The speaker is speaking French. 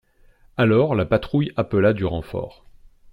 Alors la patrouille appela du renfort.